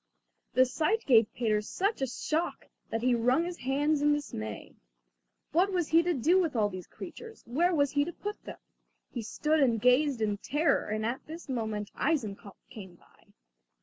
The sight gave Peter such a shock that he wrung his hands in dismay. What was he to do with all these creatures, where was he to put them? He stood and gazed in terror, and at this moment Eisenkopf came by.